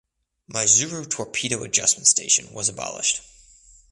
Maizuru torpedo adjustment station was abolished.